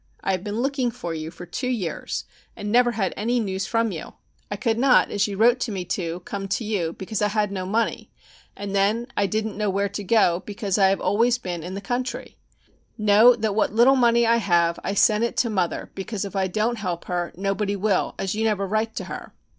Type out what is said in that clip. I have been looking for you for two years, and never had any news from you. I could not, as you wrote to me to, come to you, because I had no money, and then I didn't know where to go because I have been always in the country. Know that what little money I have I sent it to mother, because if I don't help her nobody will, as you never write to her.